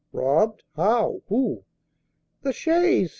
"Robbed? How? Who?" "The chaise.